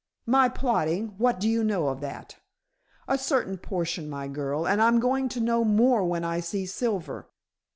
"My plotting. What do you know of that?" "A certain portion, my girl, and I'm going to know more when I see Silver."